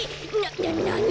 ななに？